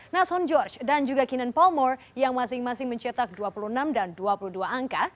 nason george dan juga kinan palmore yang masing masing mencetak dua puluh enam dan dua puluh dua angka